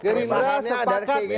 jadi ini adalah sepakatan